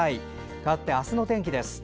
かわって、明日の天気です。